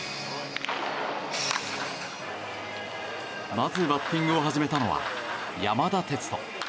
まずバッティングを始めたのは山田哲人。